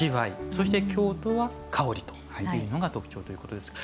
そして、京都は香りというのが特徴ということですね。